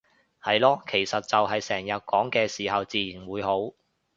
係囉，其實就係成日講嘅時候自然會好